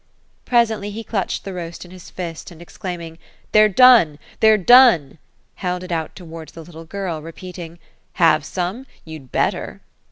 Presently, he clutched the roast in his fist, and exclaiming: — 'Hhey're done! they're done!" held it out towards the little girl, repeating, " Have some ? you'd better